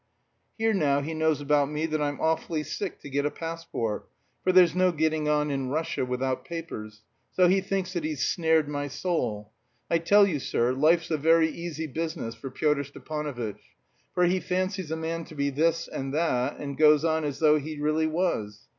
Here now he knows about me that I'm awfully sick to get a passport, for there's no getting on in Russia without papers so he thinks that he's snared my soul. I tell you, sir, life's a very easy business for Pyotr Stepanovitch, for he fancies a man to be this and that, and goes on as though he really was.